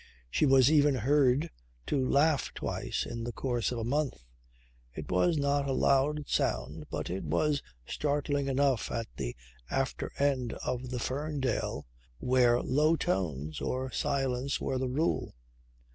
She was even heard to laugh twice in the course of a month. It was not a loud sound but it was startling enough at the after end of the Ferndale where low tones or silence were the rule.